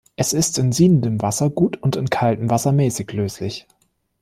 Es ist in siedendem Wasser gut und in kaltem Wasser mäßig löslich.